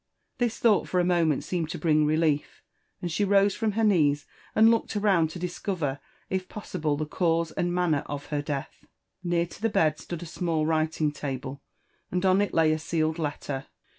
This thought for a moment seemed to bring lief, and she rose from her knees and looked around to discover possible the cause and manner of her death. Near to the bed stood a small writing table, and on it lay a sealed letter.